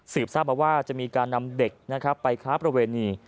ทราบมาว่าจะมีการนำเด็กไปค้าประเวณี